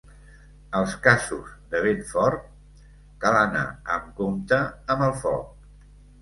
Els casos de vent fort cal anar amb compte amb el foc.